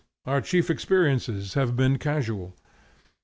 Our chief experiences have been casual.